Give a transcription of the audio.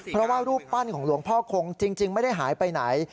เพราะว่ารูปปั้นของหลวงพ่อคงจริงไม่ได้หายไปไหน